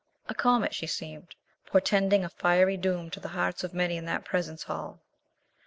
A comet she seemed, portending a fiery doom to the hearts of many in that presence hall.